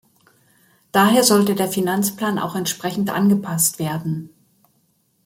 Daher sollte der Finanzplan auch entsprechend angepasst werden.